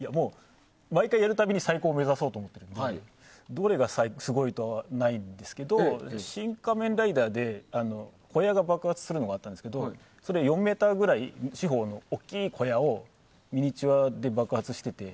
毎回、やるたびに最高を目指そうと思っているのでどれがすごいとかはないんですが「シン・仮面ライダー」で小屋が爆発するのがあったんですけどそれ、４ｍ四方ぐらいの大きな小屋をミニチュアで爆発してて。